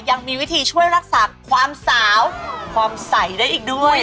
ยังมีวิธีช่วยรักษาความสาวความใสได้อีกด้วย